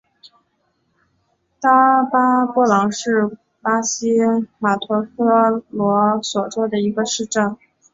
塔巴波朗是巴西马托格罗索州的一个市镇。